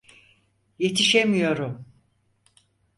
Yetişemiyorum!